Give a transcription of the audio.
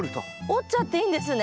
折っちゃっていいんですね？